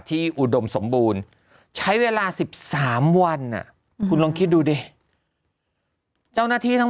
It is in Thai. อุดมสมบูรณ์ใช้เวลา๑๓วันคุณลองคิดดูดิเจ้าหน้าที่ทั้ง